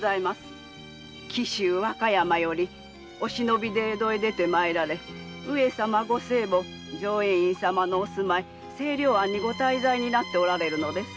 紀州和歌山よりおしのびで江戸へ出て参られ上様ご生母浄円院様のお住居清涼庵にご滞在になっておられるのです。